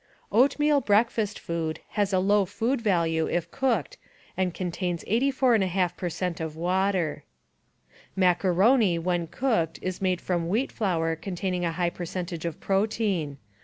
Oatmeal breakfast food has a low food value if cooked and con tains 843^ per cent, of water. Macaroni when cooked is made from wheat flour containing a high percentage of protein.